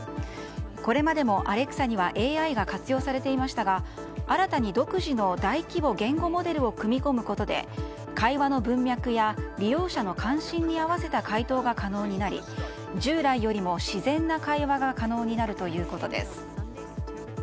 これまでもアレクサにはＡＩが活用されていましたが新たに独自の大規模言語モデルを組み込むことで会話の文脈や利用者の関心に合わせた回答が可能になり従来よりも自然な会話が可能になるということです。